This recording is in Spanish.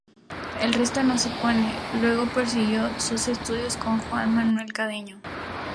El resto no se pone".Luego prosiguió sus estudios con Juan Manuel Cedeño.